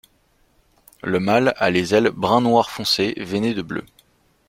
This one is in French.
Le mâle a les ailes brun noir foncé veinées de bleu.